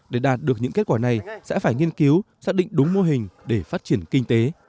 để đạt được những kết quả này sẽ phải nghiên cứu xác định đúng mô hình để phát triển